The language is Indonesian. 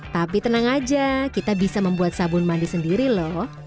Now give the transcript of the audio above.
tapi tenang aja kita bisa membuat sabun mandi sendiri loh